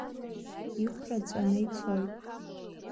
Ихәра ҵәаны ицон.